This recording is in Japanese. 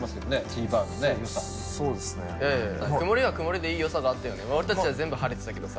曇りは曇りでいい良さがあったよね。